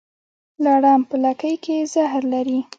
لړم په لکۍ کې زهر لري